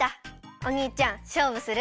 おにいちゃんしょうぶする？